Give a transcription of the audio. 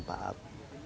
di dpr banyak manfaat